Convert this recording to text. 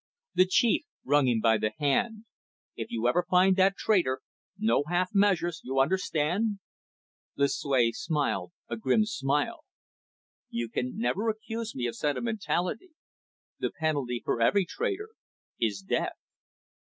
The chief wrung him by the hand. "If you ever find that traitor, no half measures, you understand." Lucue smiled a grim smile. "You can never accuse me of sentimentality. The penalty for every traitor is death."